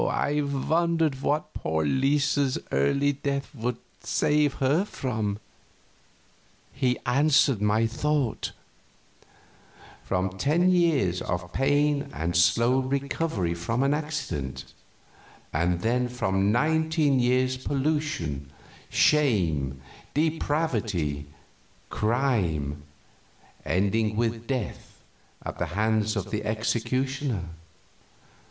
I wondered what poor little Lisa's early death would save her from. He answered the thought: "From ten years of pain and slow recovery from an accident, and then from nineteen years' pollution, shame, depravity, crime, ending with death at the hands of the executioner.